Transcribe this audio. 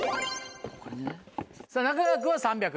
さぁ中川君は３００。